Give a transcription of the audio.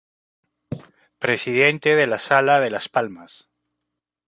Presidente de la sala de Las Palmas.